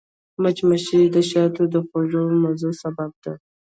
مچمچۍ د شاتو د خوږو مزو سبب ده